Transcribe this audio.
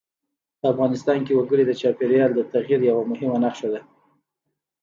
په افغانستان کې وګړي د چاپېریال د تغیر یوه مهمه نښه ده.